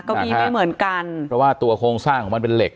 ก็มีไม่เหมือนกันเพราะว่าตัวโครงสร้างของมันเป็นเหล็ก